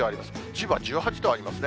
千葉１８度ありますね。